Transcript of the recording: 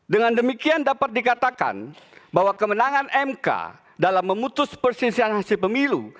dengan demikian dapat dikatakan bahwa kemenangan mk dalam memutus perselisihan hasil pemilu